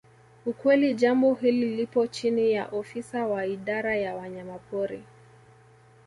Ukweli jambo hili lipo chini ya ofisa wa idara ya wanyamapori